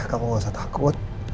kamu gak usah takut